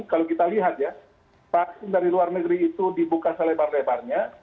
kalau kita lihat ya vaksin dari luar negeri itu dibuka selebar lebarnya